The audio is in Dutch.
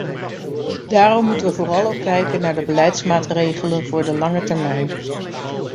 Daarom moeten we vooral ook kijken naar de beleidsmaatregelen voor de lange termijn.